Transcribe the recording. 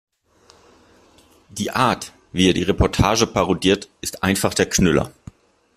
Die Art, wie er die Reportage parodiert, ist einfach der Knüller!